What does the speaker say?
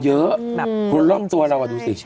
เยอะชอบตัวเราน่ะดูสิ